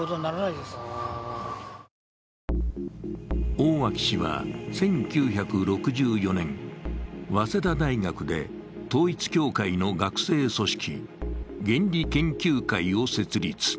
大脇氏は１９６４年、早稲田大学で統一教会の学生組織、原理研究会を設立。